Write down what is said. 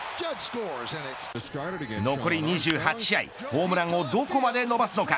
残り２８試合ホームランをどこまで伸ばすのか。